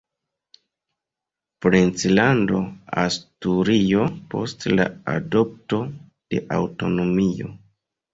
Princlando Asturio, post la adopto de aŭtonomio.